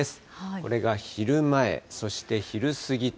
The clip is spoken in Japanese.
これが昼前、そして昼過ぎと。